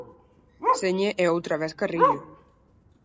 Señé e outra vez Carrillo.